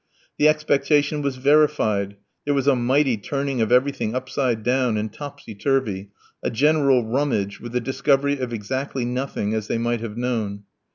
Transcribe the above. The expectation was verified; there was a mighty turning of everything upside down and topsy turvy, a general rummage, with the discovery of exactly nothing, as they might have known.